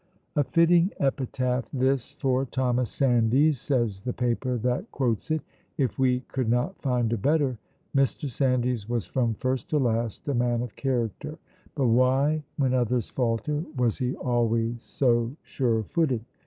'" "A fitting epitaph, this, for Thomas Sandys," says the paper that quotes it, "if we could not find a better. Mr. Sandys was from first to last a man of character, but why when others falter was he always so sure footed?